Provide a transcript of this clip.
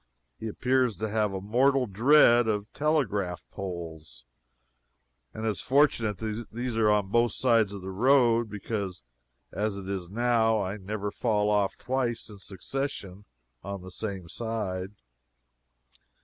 He appears to have a mortal dread of telegraph poles, especially; and it is fortunate that these are on both sides of the road, because as it is now, I never fall off twice in succession on the same side.